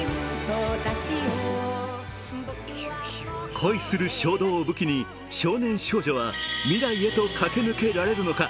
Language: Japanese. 恋する衝動を武器に、少年少女は未来へと駆け抜けられるのか。